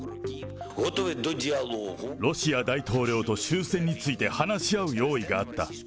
ロシア大統領と終戦について話し合う用意があった。